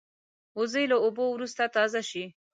وزې له اوبو وروسته تازه شي